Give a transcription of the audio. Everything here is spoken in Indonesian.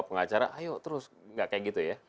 pengacara ayo terus gak kayak gitu ya